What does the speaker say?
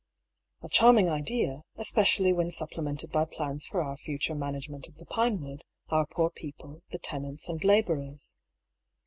A charming idea, especially when supplemented by plans for our future management of the Pinewood, our poor people, the tenants and labour ers.